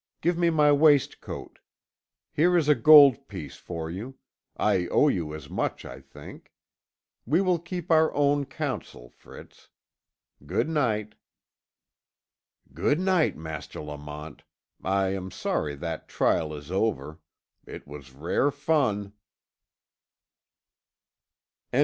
Give me my waistcoat. Here is a gold piece for you. I owe you as much, I think. We will keep our own counsel, Fritz. Good night." "Good night, Master Lamont. I am sorry that trial is over. It was rare fun!"